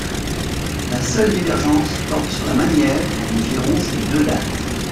La seule divergence porte sur la manière dont nous gérons ces deux dates.